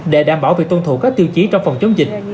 để đảm bảo việc tuân thủ các tiêu chí trong phòng chống dịch